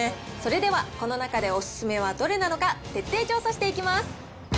それではこの中でお勧めはどれなのか、徹底調査していきます。